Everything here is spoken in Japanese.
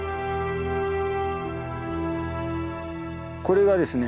これはですね